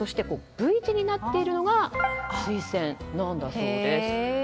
Ｖ字になっているのがスイセンなんだそうです。